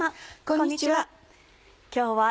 こんにちは。